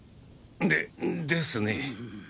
でですね。